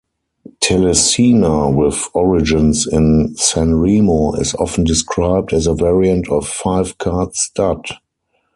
Telesina, with origins in Sanremo, is often described as a variant of five-card stud.